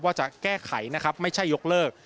ว่าจะแก้ไขนะครับไม่ใช่ยกเลิก